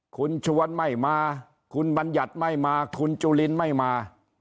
คุณชวนไม่มาคุณบัญญัติไม่มาคุณจุลินไม่มา